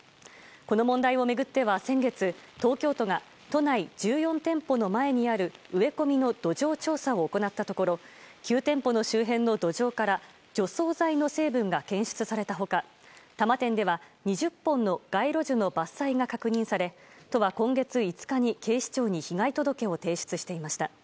この問題を巡っては先月、東京都が都内１４店舗の前にある植え込みの土壌調査を行ったところ９店舗の周辺の土壌から除草剤の成分が検出された他多摩店では２０本の街路樹の伐採が確認され都は今月５日に警視庁に被害届を提出していました。